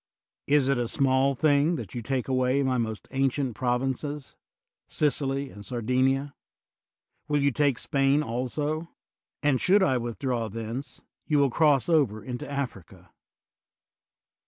Is it a small thing that you take away my most ancient provinces — Sicily and Sardinia? Will you take Spain also? And should I withdraw thence, you will cross over into Africa.